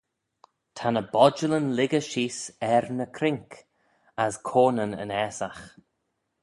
Ta ny bodjalyn lhiggey sheese er ny croink as coanyn yn aasagh.